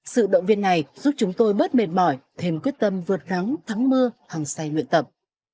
sự động viên này giúp chúng tôi bớt mệt mỏi thêm quyết tâm vượt nắng thắng mưa hàng say luyện tập